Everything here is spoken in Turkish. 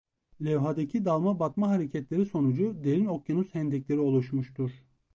Levhadaki dalma-batma hareketleri sonucu derin okyanus hendekleri oluşmuştur.